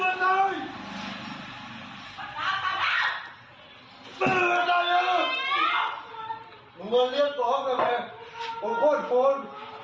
ไปครับกร้อน